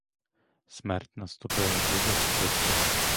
Смерть наступила дуже швидко.